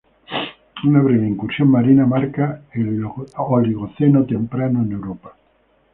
Una breve incursión marina marca el Oligoceno temprano en Europa.